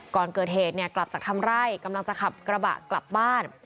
ก่อนเกิดเหตุเนี่ยกลับจากทำไร่กำลังจะขับกระบะกลับบ้าน